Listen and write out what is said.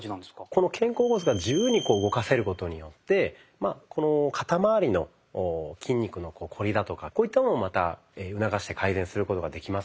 この肩甲骨が自由にこう動かせることによってこの肩まわりの筋肉のこりだとかこういったものもまた促して改善することができますので。